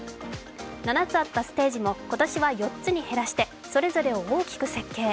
７つあったステージも今年は４つに減らしてそれぞれを大きく設計。